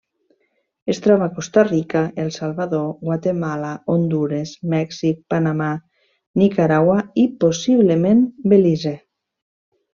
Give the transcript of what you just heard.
Es troba a Costa Rica, El Salvador, Guatemala, Hondures, Mèxic, Panamà, Nicaragua i, possiblement, Belize.